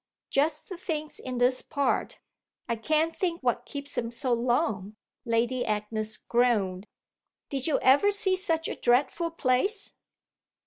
"Just the things in this part. I can't think what keeps them so long," Lady Agnes groaned. "Did you ever see such a dreadful place?"